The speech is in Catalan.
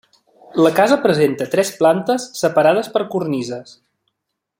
La casa presenta tres plantes separades per cornises.